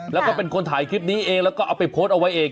แล้วก็เป็นคนถ่ายคลิปนี้เองแล้วก็เอาไปโพสต์เอาไว้เอง